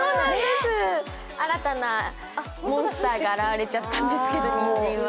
新たなモンスターが現れちゃったんですけど、にんじんは。